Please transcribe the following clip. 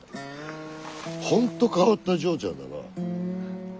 本当変わった嬢ちゃんだな。